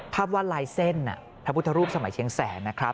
วาดลายเส้นพระพุทธรูปสมัยเชียงแสนนะครับ